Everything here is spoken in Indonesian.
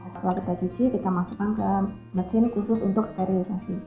setelah kita cuci kita masukkan ke mesin khusus untuk sterilisasi